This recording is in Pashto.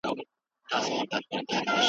د صنعتي کیدو لاره ډیره اوږده وه.